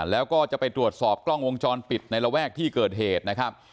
แล้วก็จะไปตรวจสอบกล้องวงจรปิดในระแวกที่เกิดเหตุนะครับ